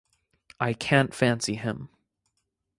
I can’t fancy him.